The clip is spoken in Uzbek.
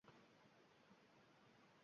maqtay ketdi suhbatdoshim